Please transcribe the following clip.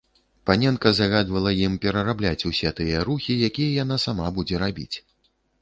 Паненка загадвала ім перарабляць усе тыя рухі, якія яна сама будзе рабіць.